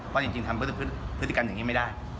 เพราะจริงทำพฤติกรรมอย่างนี้ไม่ได้